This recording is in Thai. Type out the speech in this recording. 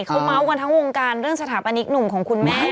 เขาเมาส์กันทั้งวงการเรื่องสถาปนิกหนุ่มของคุณแม่